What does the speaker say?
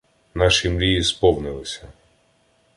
"Наші мрії сповнилися"